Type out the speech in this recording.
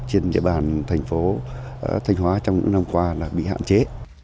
trên địa bàn thành phố thanh hóa trong những năm qua là bị hạn chế